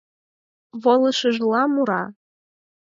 Волышыжла мура: